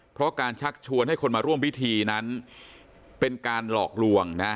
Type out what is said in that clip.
เพราะการชักชวนให้คนมาร่วมพิธีนั้นเป็นการหลอกลวงนะฮะ